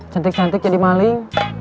cantik cantik jadi maling